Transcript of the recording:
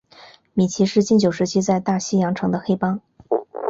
米奇是禁酒时期在大西洋城的黑帮。